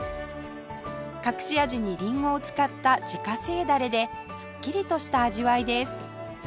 隠し味にりんごを使った自家製ダレですっきりとした味わいです